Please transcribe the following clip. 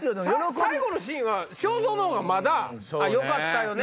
最後のシーンは章造のがまだよかったよね！